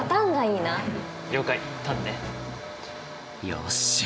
よし。